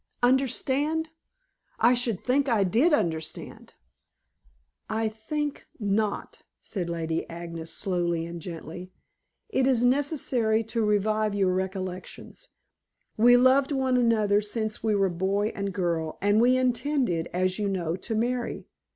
Understand! I should think I did understand." "I think not," said Lady Agnes slowly and gently. "It is necessary to revive your recollections. We loved one another since we were boy and girl, and we intended, as you know, to marry.